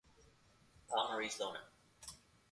Paul marries Iona.